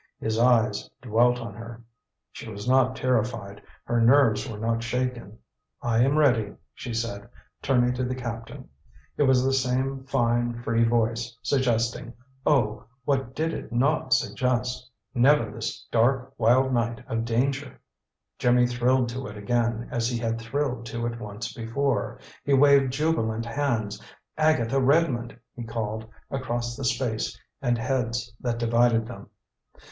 His eyes dwelt on her. She was not terrified; her nerves were not shaken. "I am ready," she said, turning to the captain. It was the same fine, free voice, suggesting Oh, what did it not suggest! Never this dark, wild night of danger! Jimmy thrilled to it again as he had thrilled to it once before. He waved jubilant hands. "Agatha Redmond!" he called, across the space and heads that divided them.